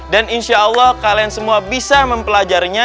dan insya allah kalian semua bisa mempelajarnya